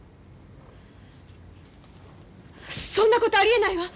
そんなことありえないわ。